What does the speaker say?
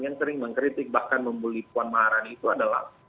yang sering mengkritik bahkan membuli puan marani itu adalah